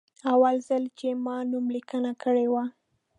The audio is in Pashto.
اول ځل چې ما نوملیکنه کړې وه.